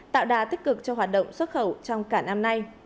tạo đà tích cực cho hoạt động xuất khẩu trong cả năm nay